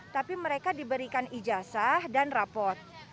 tapi mereka diberikan ijazah dan rapot